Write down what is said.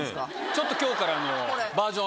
ちょっと今日から。